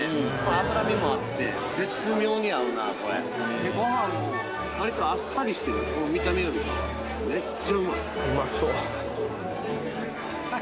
脂身もあって絶妙に合うなこれご飯も割とあっさりしてる見た目よりめっちゃうまいうまそうははは